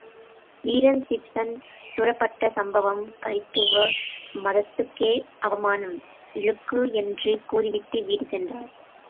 வீரன் சிப்சன் சுடப்பட்ட சம்பவம் கிறித்துவ மதத்துக்கே அவமானம், இழுக்கு என்று கூறிவிட்டு வீடு சென்றார்.